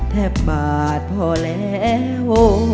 แทบบาทพอแล้ว